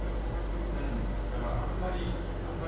だから、あんまり。